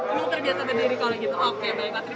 emang terbiasa berdiri kalau gitu oke baiklah terima kasih